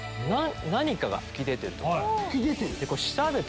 何かが吹き出てると。